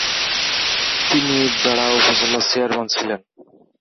তিনি বেড়া উপজেলার চেয়ারম্যান ছিলেন।